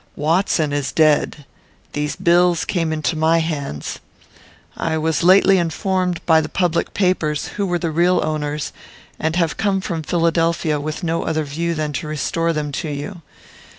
Watson is dead. These bills came into my hands. I was lately informed, by the public papers, who were the real owners, and have come from Philadelphia with no other view than to restore them to you.